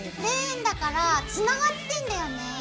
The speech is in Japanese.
レーンだからつながってんだよね。